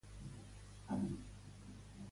Què són els Anales de Cuauhtitlán?